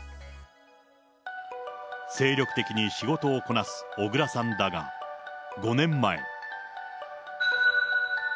精力的に仕事をこなす小倉さんだが、５年前。